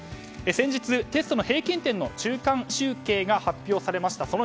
先日、テストの平均点の中間集計が発表されました。